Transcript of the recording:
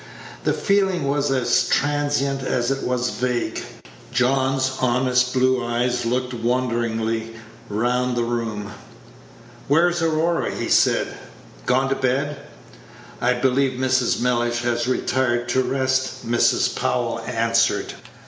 The feeling was as transient as it was vague. John's honest blue eyes looked wonderingly round the room. "Where's Aurora?" he said; "gone to bed?" "I believe Mrs. Mellish has retired to rest," Mrs. Powell answered.